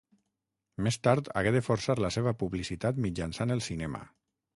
Més tard hagué de forçar la seva publicitat mitjançant el cinema.